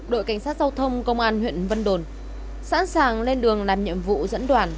đội cảnh sát giao thông công an huyện vân đồn sẵn sàng lên đường làm nhiệm vụ dẫn đoàn